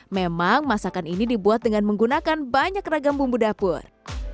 memang masakan ini dibuat dengan menggunakan banyak ragam bumbu dapur